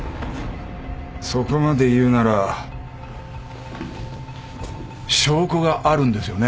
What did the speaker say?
そこまで言うなら証拠があるんですよね？